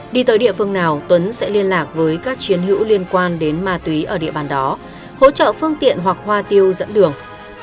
đi tới địa phương nào tuấn sẽ liên lạc với các chiến hữu liên quan đến ma túy ở địa bàn đó hỗ trợ phương tiện hoặc hoa tiêu dẫn đường